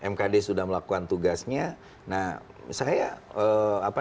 mkd sudah melakukan tugasnya